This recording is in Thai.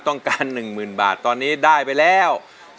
ต้องการ๑๐๐๐บาทตอนนี้ได้ไปแล้ว